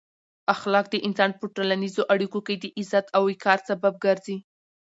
اخلاق د انسان په ټولنیزو اړیکو کې د عزت او وقار سبب ګرځي.